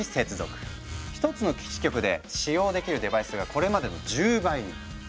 １つの基地局で使用できるデバイスがこれまでの１０倍に。